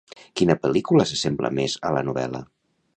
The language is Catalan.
Quina pel·lícula s'assembla més a la novel·la?